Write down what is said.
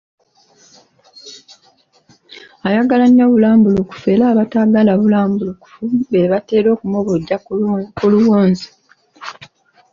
Ayagala nnyo obulambulukufu era abataagala bulambulukufu be batera okumubojja ku luwonzi.